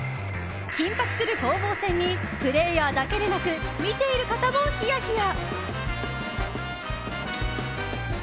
緊迫する攻防戦にプレーヤーだけでなく見ている方もヒヤヒヤ。